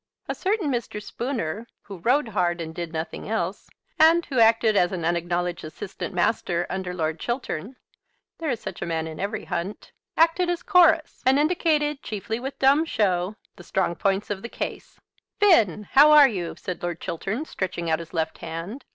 A certain Mr. Spooner, who rode hard and did nothing else, and who acted as an unacknowledged assistant master under Lord Chiltern, there is such a man in every hunt, acted as chorus, and indicated, chiefly with dumb show, the strong points of the case. "Finn, how are you?" said Lord Chiltern, stretching out his left hand.